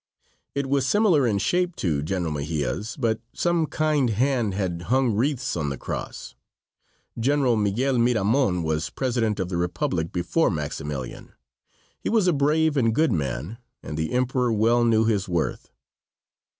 It was similar in shape to General Mejia's, but some kind hand had hung wreaths on the cross. General Miguel Miramon was president of the Republic before Maximilian. He was a brave and good man, and the emperor well knew his worth.